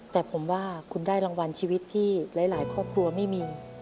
แต่ผมว่าคุณได้รางวัลชีวิตที่หลายครอบครัวไม่มี